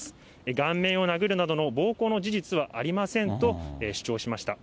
顔面を殴るなどの暴行の事実はありませんと主張しました。